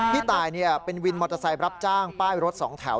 พี่ตายเป็นวินมอเตอร์ไซค์รับจ้างป้ายรถสองแถว